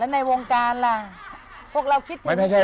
ในวงการล่ะพวกเราคิดถึง